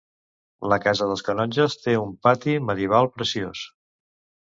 La Casa dels Canonges té un pati medieval preciós.